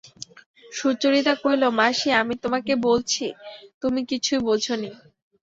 সুচরিতা কহিল, মাসি, আমি তোমাকে বলছি তুমি কিছুই বোঝ নি।